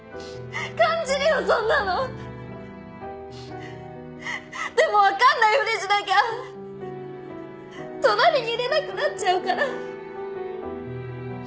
感じるよそんなの！でも分かんないフリしなきゃ隣にいれなくなっちゃうから。